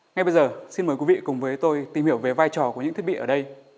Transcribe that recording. ngay bây giờ xin mời quý vị cùng với tôi tìm hiểu về vai trò của những thiết bị ở đây